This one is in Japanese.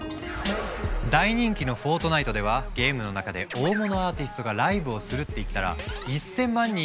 大人気の「フォートナイト」ではゲームの中で大物アーティストがライブをするって言ったら。